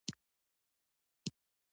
هغه ټولنې پرېکړه کړې ده